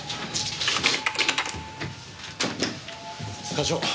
課長。